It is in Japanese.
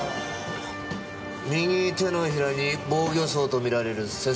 右手のひらに防御創と見られる切創あり。